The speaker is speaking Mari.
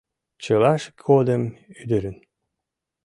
Чылаж годым ӱдырын